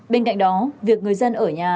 bên cạnh đó việc người dân ở nhà